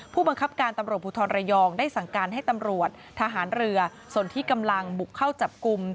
ผู้บังคับการตำรวจภูทรระยองได้สั่งการให้ตำรวจทหารเรือส่วนที่กำลังบุกเข้าจับกลุ่ม